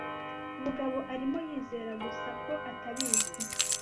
Bugabo arimo yizera gusa ko atabizi.